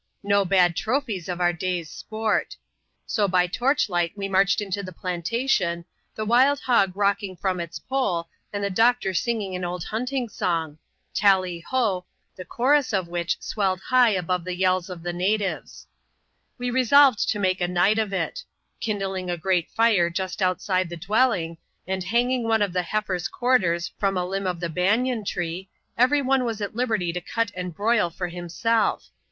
No bad trophies of our da/s sport So by torchlight we inarched into the plantation, the wild hog xocking from its pole, and the doctor singing an old hunting* song — Tally ho ! the chorus of which swelled high above the jells of the natives. We resolved to make a night of it. Kindling a great fire just outside the dwelling, and hanging one of the heifer's quarters from a limb of the banian tree, every one was at liberty to cut and broil for himself.